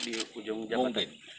di hujung jambatan